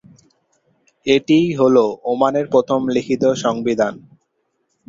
এটিই হলো ওমানের প্রথম লিখিত "সংবিধান"।